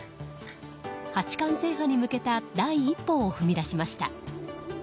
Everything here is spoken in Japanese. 八冠制覇に向けた第一歩を踏み出しました。